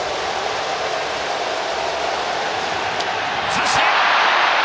三振！